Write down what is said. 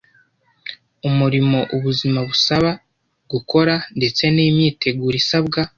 umurimo ubuzima busaba gukora ndetse n’imyiteguro isabwa